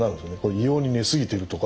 異様に寝過ぎてるとか。